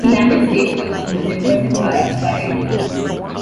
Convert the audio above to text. He landed safely on the Jefferson Barracks parade grounds.